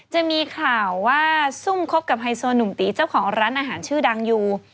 จะมีข่าวว่าซุ่มคบกับไฮโซหนุ่มตีเจ้าของร้านอาหารชื่อดังอยู่